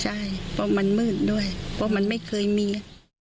ใช่เพราะมันมืดด้วยเพราะมันไม่เคยมี